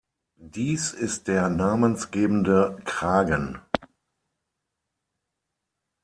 Dies ist der namensgebende Kragen.